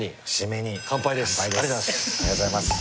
ありがとうございます。